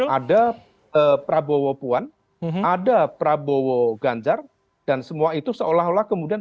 ada prabowo puan ada prabowo ganjar dan semua itu seolah olah kemudian